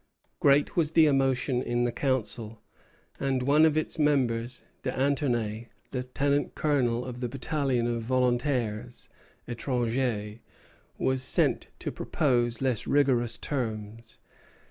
Great was the emotion in the council; and one of its members, D'Anthonay, lieutenant colonel of the battalion of Volontaires Étrangers, was sent to propose less rigorous terms.